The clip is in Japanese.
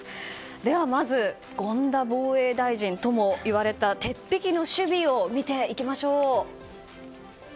ではまず権田防衛大臣とも呼ばれた鉄壁の守備を見ていきましょう。